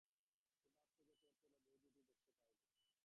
সে-ভাব ঢের খুঁজে দেখেছি, একটা বৈ দুটো দেখতে পাইনি।